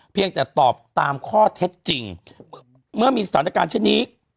เพียงแต่ตอบตามข้อเท็จจริงเมื่อมีสถานการณ์เช่นนี้